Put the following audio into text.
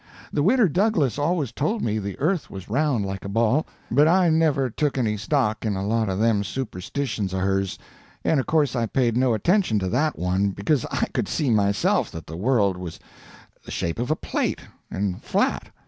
The Widder Douglas always told me the earth was round like a ball, but I never took any stock in a lot of them superstitions o' hers, and of course I paid no attention to that one, because I could see myself that the world was the shape of a plate, and flat.